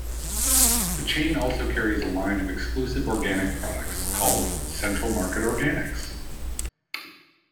The chain also carries a line of exclusive organic products called "Central Market Organics".